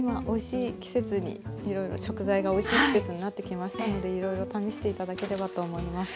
今いろいろ食材がおいしい季節になってきましたのでいろいろ試して頂ければと思います。